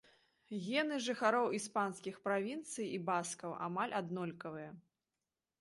Гены жыхароў іспанскіх правінцый і баскаў амаль аднолькавыя.